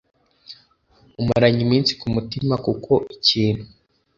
umaranye iminsi ku mutima kuko ikintu